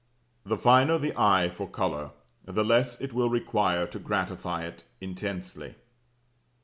THE FINER THE EYE FOR COLOUR, THE LESS IT WILL REQUIRE TO GRATIFY IT INTENSELY.